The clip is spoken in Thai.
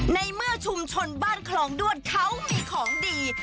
ในเมื่อชุมชนบ้านคลองด้วนเขามีของดี